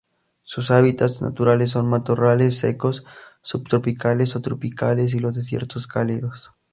Sus hábitats naturales son matorrales secos subtropicales o tropicales y los desiertos cálidos.